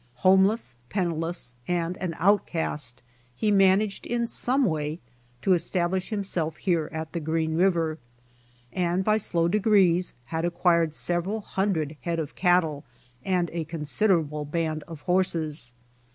Homeless, penniless and an outcast, he managed in some way to establish himself here at the Green river, and by slow degrees had acquired several hundred head of cattle and a considerable band of horses.